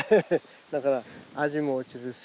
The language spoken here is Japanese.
だから味も落ちるし。